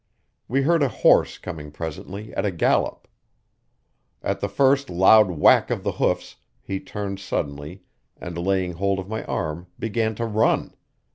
We heard a horse coming presently at a gallop. At the first loud whack of the hoofs he turned suddenly and laying hold of my arm began to run.